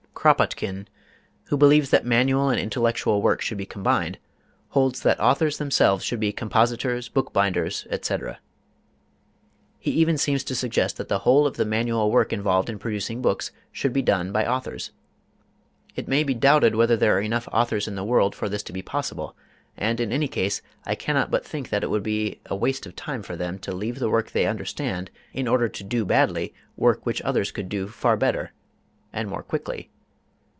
Kropotkin, who believes that manual and intellectual work should be combined, holds that authors themselves should be compositors, bookbinders, etc. He even seems to suggest that the whole of the manual work involved in producing books should be done by authors. It may be doubted whether there are enough authors in the world for this to be possible, and in any case I cannot but think that it would be a waste of time for them to leave the work they understand in order to do badly work which others could do far better and more quickly.